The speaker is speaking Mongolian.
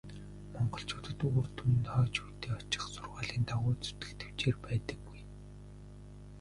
Монголчуудад үр дүн нь хойч үедээ очих сургаалын дагуу зүтгэх тэвчээр байдаггүй.